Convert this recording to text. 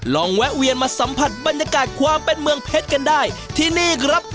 แวะเวียนมาสัมผัสบรรยากาศความเป็นเมืองเพชรกันได้ที่นี่ครับ